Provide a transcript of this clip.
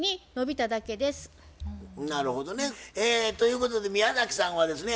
なるほどね。ということで宮崎さんはですね